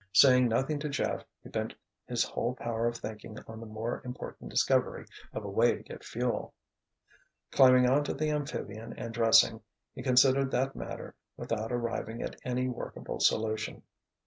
Saying nothing to Jeff he bent his whole power of thinking on the more important discovery of a way to get fuel. Climbing onto the amphibian and dressing, he considered that matter without arriving at any workable solution.